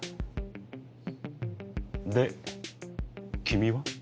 で君は？